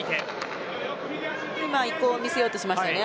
今、移行を見せようとしましたね。